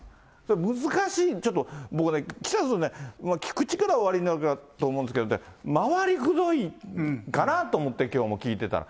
難しい、僕ね、岸田総理ね、聞く力はおありになるのかと思いますけど、回りくどいかなと思ってきょうも聞いてたら。